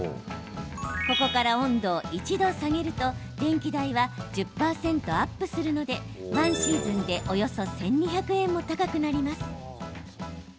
ここから温度を１度下げると電気代は１０％アップするので１シーズンでおよそ１２００円も高くなります。